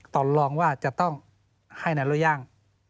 ต่อลองว่าจะต้องให้ไหนเล่าย่าง